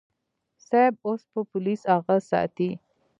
صيب اوس به پوليس اغه ساتي.